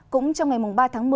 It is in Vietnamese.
cũng trong ngày ba tháng một mươi